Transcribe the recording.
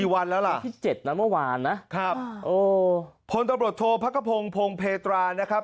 กี่วันแล้วล่ะพี่เจ็ดนะเมื่อวานนะโอ้พรตบรรทโทศ์พระกภงพงภ์เพศรานะครับ